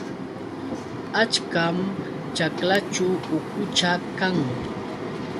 Achkam ćhaklaćhu ukucha kan.